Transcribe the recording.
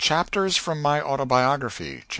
_) CHAPTERS FROM MY AUTOBIOGRAPHY. XXIV.